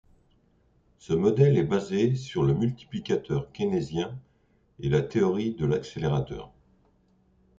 Ce modèle est basé sur le multiplicateur keynésien et la théorie de l'accélérateur.